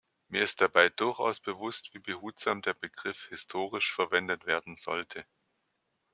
Mir ist dabei durchaus bewusst, wie behutsam der Begriff "historisch" verwendet werden sollte.